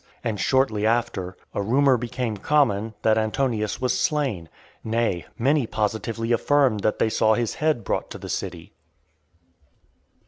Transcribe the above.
And shortly after, a rumour became common, that Antonius was slain; nay, many positively affirmed, that they saw his head brought to the city.